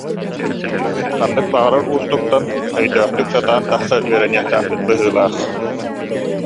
Ханнык баҕарар уустуктан өйдөөхтүк сатаан тахса үөрэниэхтээхпит быһыылаах